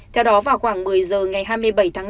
theo đó vào khoảng một mươi giờ ngày hai mươi bảy tháng năm